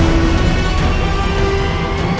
aku akan menang